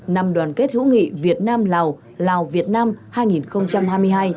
năm đoàn kết hữu nghị việt nam lào lào việt nam hai nghìn hai mươi hai